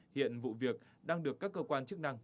hiện vụ việc đang được các cơ quan chức năng